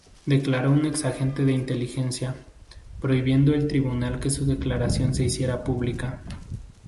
Declaró un exagente de inteligencia, prohibiendo el tribunal que su declaración se hiciera pública.